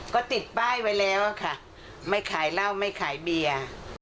ก็ติดป้ายไว้แล้วค่ะไม่ขายเหล้าไม่ขายเบียร์